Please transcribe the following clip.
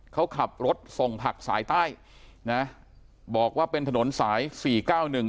เขาขับรถส่งผักสายใต้นะบอกว่าเป็นถนนสายสี่เก้าหนึ่ง